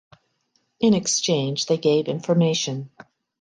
In exchange they gave information.